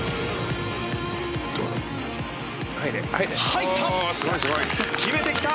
入った！